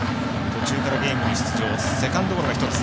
途中からゲームに出場セカンドゴロが１つ。